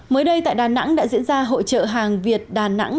mới đây tại đà nẵng đã diễn ra hội trợ hàng việt đà nẵng